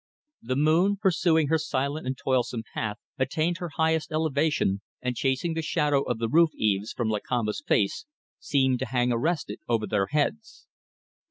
The moon, pursuing her silent and toilsome path, attained her highest elevation, and chasing the shadow of the roof eaves from Lakamba's face, seemed to hang arrested over their heads.